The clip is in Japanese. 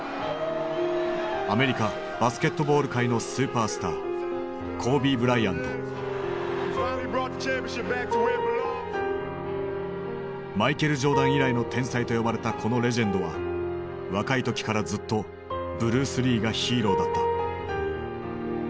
アメリカバスケットボール界のスーパースターマイケル・ジョーダン以来の天才と呼ばれたこのレジェンドは若い時からずっとブルース・リーがヒーローだった。